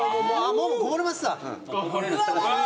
もうもうこぼれますわ。